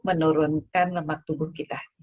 menurunkan lemak tubuh kita